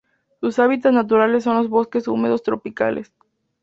Sus hábitat naturales son los bosques húmedos tropicales.